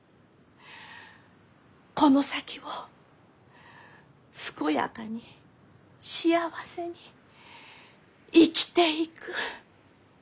この先を健やかに幸せに生きていく。